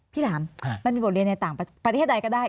ถามมันมีบทเรียนในต่างประเทศใดก็ได้